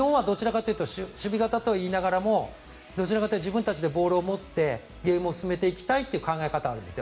日本は守備型といってもどちらかというと自分たちでボールを持ってゲームを進めていきたいという考え方なんです。